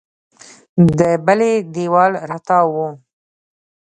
په بلې دېوال راتاو و.